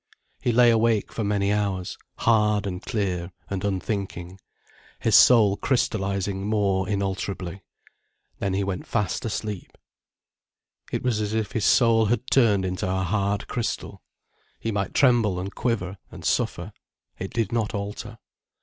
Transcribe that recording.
He lay awake for many hours, hard and clear and unthinking, his soul crystallizing more inalterably. Then he went fast asleep. It was as if his soul had turned into a hard crystal. He might tremble and quiver and suffer, it did not alter.